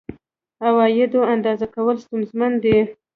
عوایدو اندازه کول ستونزمن دي.